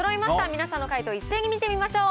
皆さんの解答、一斉に見てみましょう。